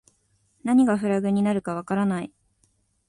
何がフラグになるかわからない